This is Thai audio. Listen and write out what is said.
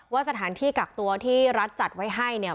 สถานที่กักตัวที่รัฐจัดไว้ให้เนี่ย